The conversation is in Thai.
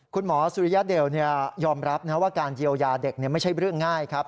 คุณหมอสุริยเดลยอมรับว่าการเยียวยาเด็กไม่ใช่เรื่องง่ายครับ